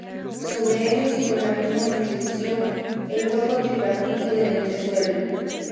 Sobre ellos y con la misma distribución, el hueco tripartito del entresuelo.